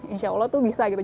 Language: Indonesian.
insya allah tuh bisa gitu